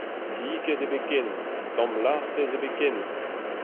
Tiked ebet ken, tamm lastez ebet ken !